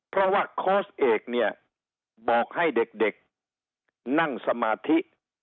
เพราะว่าเนี้ยบอกให้เด็กเด็กนั่งสมาธิ